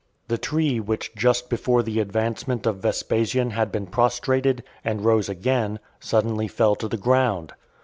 The tree which just before the advancement of Vespasian had been prostrated, and rose again , suddenly fell to the ground.